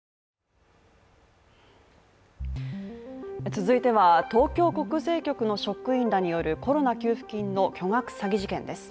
続いて東京国税局の職員らによるコロナ給付金の巨額詐欺事件です。